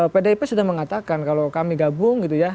pdip sudah mengatakan kalau kami gabung gitu ya